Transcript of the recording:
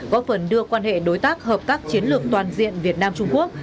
góp phần đưa quan hệ đối tác hợp tác chiến lược toàn diện việt nam trung quốc